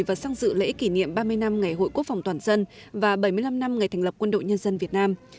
và sang dự lễ kỷ niệm ba mươi năm ngày hội quốc phòng toàn dân và bảy mươi năm năm ngày thành lập quân đội nhân dân việt nam